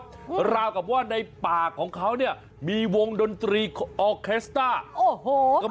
เพราะว่าในปากของเขาเนี่ยมีวงดนตรีออเคสต้า